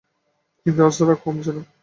কিন্তু আজ তাঁর রাগ কমছে না।